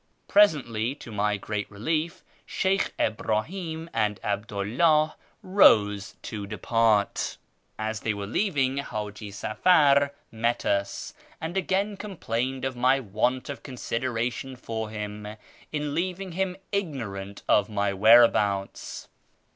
Presently, to my great relief, Sheykh Ibrahim and 'Abdu 'llah rose to depart. As they were leaving, Haji Safar met us, and again complained of my want of consideration for him in leaving him ignorant of my whereabouts.